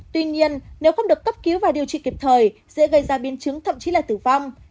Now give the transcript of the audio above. tuy nhiên nếu không được cấp cứu và điều trị kịp thời dễ gây ra biến chứng thậm chí là tử vong